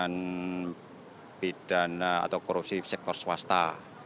dan bidana atau korupsi sektor swasta